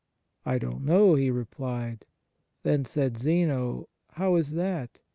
" I don t know T ," he replied. Then said Zeno, " How is that ?